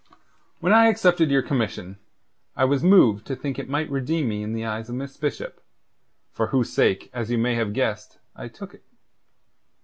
When I accepted your commission, I was moved to think it might redeem me in the eyes of Miss Bishop for whose sake, as you may have guessed, I took it.